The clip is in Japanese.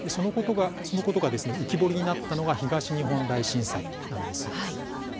そのことが浮き彫りになったのが東日本大震災なんです。